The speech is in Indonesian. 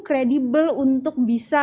kredibel untuk bisa